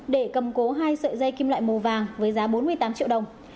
để cầm cố hai sợi dây kim loại màu vàng với giá bốn mươi tám triệu đồng